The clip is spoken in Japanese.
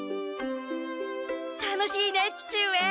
楽しいね父上！